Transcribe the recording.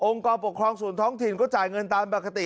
กรปกครองส่วนท้องถิ่นก็จ่ายเงินตามปกติ